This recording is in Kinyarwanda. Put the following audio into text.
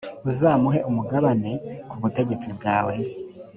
uzamuhe umugabane ku butegetsi bwawe.